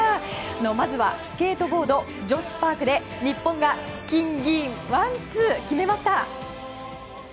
まずはスケートボード女子パークで日本が金、銀ワンツー決めました。